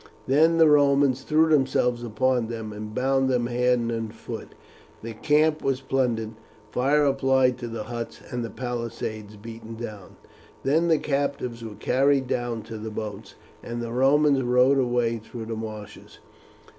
Then the Romans threw themselves upon them and bound them hand and foot, the camp was plundered, fire applied to the huts, and the palisades beaten down. Then the captives were carried down to the boats, and the Romans rowed away through the marshes.